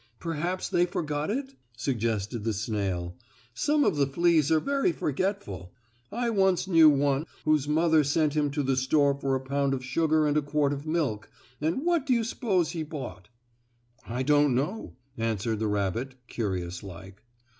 "Perhaps they forgot it?" suggested the snail. "Some of the fleas are very forgetful. I once knew one whose mother sent him to the store for a pound of sugar and a quart of milk, and what do you s'pose he bought?" "I don't know," answered the rabbit, curious like.